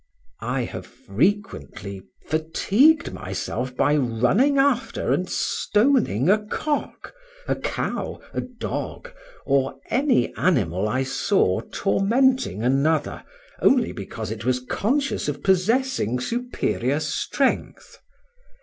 I have frequently fatigued myself by running after and stoning a cock, a cow, a dog, or any animal I saw tormenting another, only because it was conscious of possessing superior strength.